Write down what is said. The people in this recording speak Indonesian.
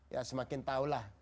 ya semakin tahulah